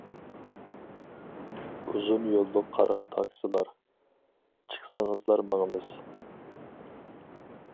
ئۇزۇن يوللۇق قارا تاكسىلار: چىقسىڭىزلا ماڭىمىز.